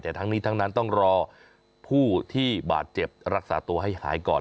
แต่ทั้งนี้ทั้งนั้นต้องรอผู้ที่บาดเจ็บรักษาตัวให้หายก่อน